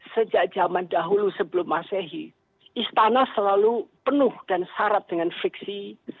sejak zaman dahulu sebelum masehi istana selalu penuh dan syarat dengan fiksi